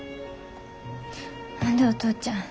ほんでお父ちゃん